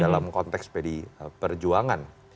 dalam konteks pdi perjuangan